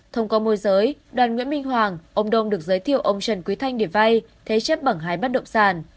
thông qua môi giới đoàn nguyễn minh hoàng ông đông được giới thiệu ông trần quỳ thanh để vay thế chép bằng hai bát động sản